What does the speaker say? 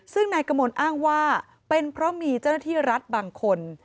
ซึ่งนายกมลอ้างว่าเป็นเพราะมีเจ้าหน้าที่รัฐบางคน